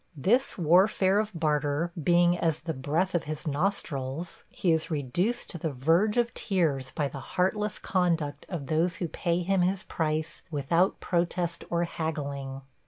This warfare of barter being as the breath of his nostrils, he is reduced to the verge of tears by the heartless conduct of those who pay him his price without protest or haggling.